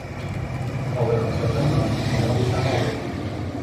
好了，小章魚，不要被嚇到了